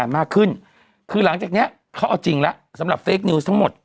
มากขึ้นคือหลังจากเนี้ยเขาเอาจริงแล้วสำหรับเฟคนิวส์ทั้งหมด